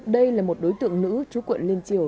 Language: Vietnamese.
đây là một đối tượng nữ chú quận liên triều